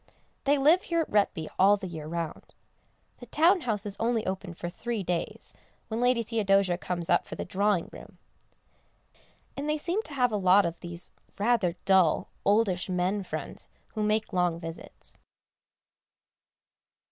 They live here at Retby all the year round. The town house is only opened for three days, when Lady Theodosia comes up for the Drawing room. And they seem to have a lot of these rather dull, oldish men friends who make long visits.